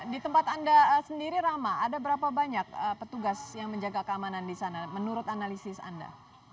di tempat anda sendiri rama ada berapa banyak petugas yang menjaga keamanan di sana menurut analisis anda